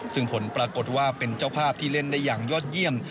ซึ่งผลปรากฏว่าเป็นเจ้าภาพที่เล่นได้อย่างยอดเยี่ยม